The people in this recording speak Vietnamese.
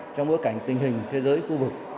trong bối cảnh tình hình thế giới khu vực